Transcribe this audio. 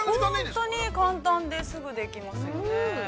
◆本当に簡単で、すぐにできますよね。